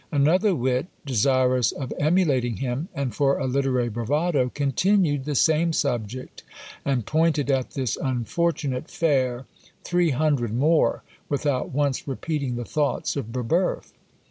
Another wit, desirous of emulating him, and for a literary bravado, continued the same subject, and pointed at this unfortunate fair three hundred more, without once repeating the thoughts of Brebeuf!